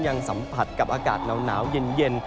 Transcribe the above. ยังสัมผัสกับอากาศหนาวเย็น